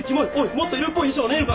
もっと色っぽい衣装はねえのか？